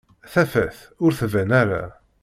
Tafat ur d-tban ara